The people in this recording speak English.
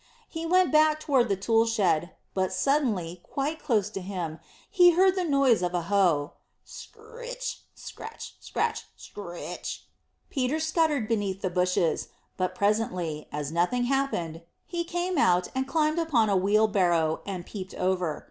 He went back towards the tool shed, but suddenly, quite close to him, he heard the noise of a hoe scr r ritch, scratch, scratch, scritch. Peter scuttered underneath the bushes. But presently, as nothing happened, he came out, and climbed upon a wheelbarrow, and peeped over.